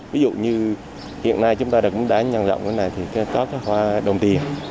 ví dụ như hiện nay chúng ta cũng đã nhận rộng cái này thì có hoa đồng tiền